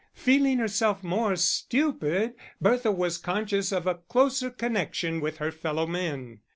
Feeling herself more stupid, Bertha was conscious of a closer connection with her fellow men.